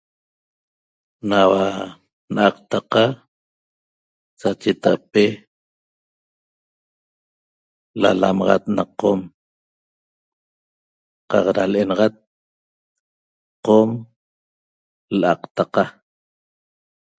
Naua na'aqtaqa sacheta'ape lalamaxat na qom qaq ra le'enaxat qom la'aqtaqa